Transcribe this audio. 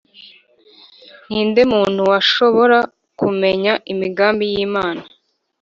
Ni nde muntu washobora kumenya imigambi y’Imana?